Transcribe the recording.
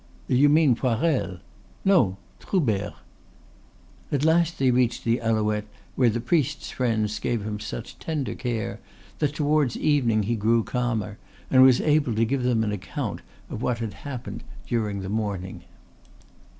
"You mean Poirel?" "No, Troubert." At last they reached the Alouette, where the priest's friends gave him such tender care that towards evening he grew calmer and was able to give them an account of what had happened during the morning.